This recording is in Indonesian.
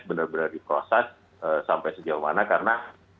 benar benar diproses sampai sejauh mana karena